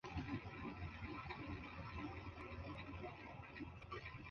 La pluma está ligeramente inclinada hacia la derecha y es un tutú.